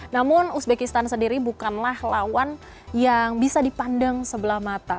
namun uzbekistan sendiri bukanlah lawan yang bisa dipandang sebelah mata